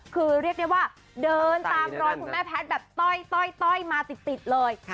คือเรียกได้ว่าเดินตามรอยคุณแม่แพทย์แบบต้อยมาติดเลย